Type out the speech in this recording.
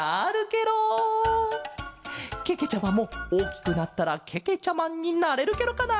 ケケちゃまもおおきくなったらけけちゃマンになれるケロかな？